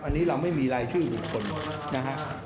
อันนี้เราไม่มีรายชื่อบุคคลนะฮะ